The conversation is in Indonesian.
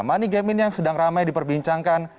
money game ini yang sedang ramai diperbincangkan